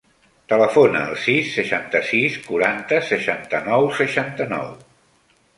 Telefona al sis, seixanta-sis, quaranta, seixanta-nou, seixanta-nou.